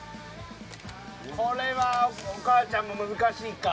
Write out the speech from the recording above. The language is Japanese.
これはお母ちゃんも難しいか。